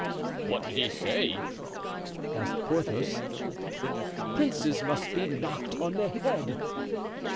"What did he say?" asked Porthos. "'Princes must be knocked on the head.